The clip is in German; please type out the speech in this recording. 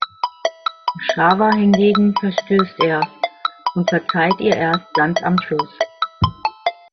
Chava hingegen verstößt er und verzeiht ihr erst ganz am Schluss.